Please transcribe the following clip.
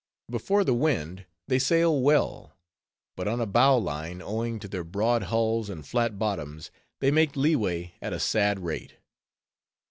Before the wind, they sail well; but on a bowline, owing to their broad hulls and flat bottoms, they make leeway at a sad rate.